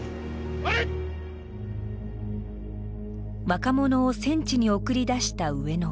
若者を戦地に送り出した上野。